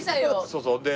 そうそう。